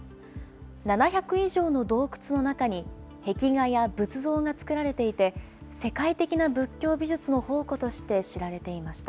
７００以上の洞窟の中に、壁画や仏像が作られていて、世界的な仏教美術の宝庫として知られていました。